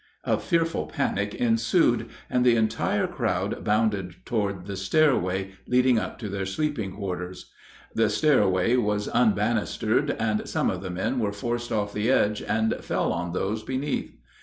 A fearful panic ensued, and the entire crowd bounded toward the stairway leading up to their sleeping quarters. The stairway was unbanistered, and some of the men were forced off the edge and fell on those beneath.